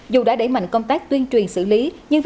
dù đã đẩy mạnh công tác tuyên truyền xử lý nhưng